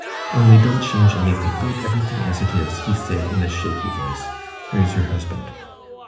"Only don't change anything, leave everything as it is," he said in a shaky voice. "Here's your husband."